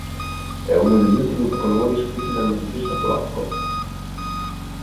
È uno degli ultimi capolavori scritti dal musicista polacco.